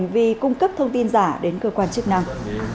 vì cung cấp thông tin giả đến cơ quan chức năng